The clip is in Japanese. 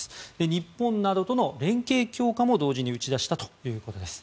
日本などとの連携強化も同時に打ち出したということです。